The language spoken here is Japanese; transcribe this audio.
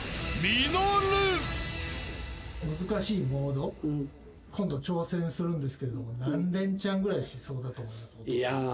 難しいモード今度挑戦するんですけれども何レンチャンぐらいしそうだと思います？